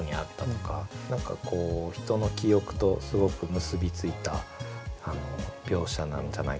何かこう人の記憶とすごく結び付いた描写なんじゃないかなと。